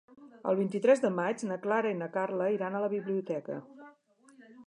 El vint-i-tres de maig na Clara i na Carla iran a la biblioteca.